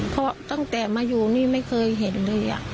เพราะตั้งแต่มาอยู่นี่ไม่เคยเห็นเลย